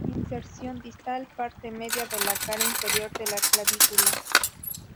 Inserción Distal: Parte media de la cara inferior de la clavícula.